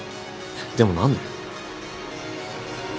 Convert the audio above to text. でも何で？